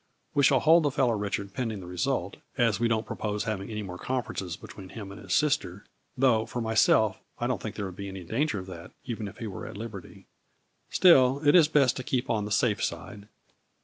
We shall hold the fellow Richard pending the result, as we don't propose having any more conferences between him and his sister, though, for myself, I don't think there would be any danger of that, even if he were at liberty. Still, it is best to keep on the safe side.